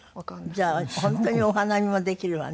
じゃあ本当にお花見もできるわね。